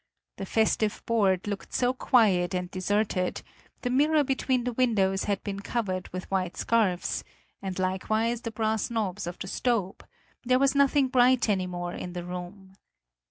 The festive board looked so quiet and deserted; the mirror between the windows had been covered with white scarfs, and likewise the brass knobs of the stove: there was nothing bright any more in the room.